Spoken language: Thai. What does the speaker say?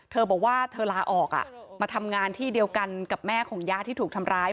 เธอบอกว่าเธอลาออกมาทำงานที่เดียวกันกับแม่ของย่าที่ถูกทำร้าย